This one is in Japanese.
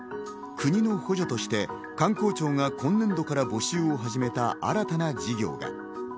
国の補助として観光庁が今年度から募集を始めた新たな事業が。